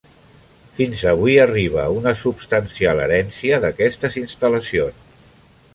Fins avui arriba una substancial herència d'aquestes instal·lacions.